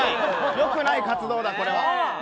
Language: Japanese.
よくない活動だ、これ。